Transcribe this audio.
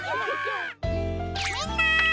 みんな！